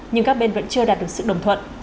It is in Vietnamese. nhưng các bên vẫn chưa đạt được sự đồng thuận